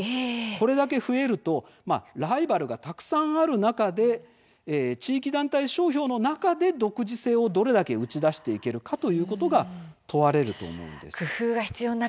これだけ増えるとライバルがたくさんある中で地域団体商標の中で独自性をどれだけ打ち出していけるかということが問われると思います。